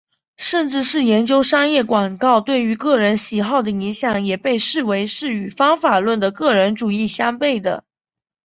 甚至是研究商业广告对于个人喜好的影响也被视为是与方法论的个人主义相背的。